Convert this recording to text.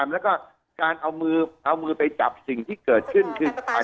แล้วก็การเอามือเอามือไปจับสิ่งที่เกิดขึ้นคือ